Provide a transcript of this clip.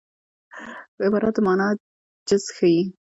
عبارت د مانا جز ښيي.